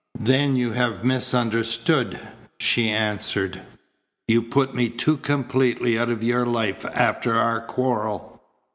"Then you have misunderstood," she answered. "You put me too completely out of your life after our quarrel.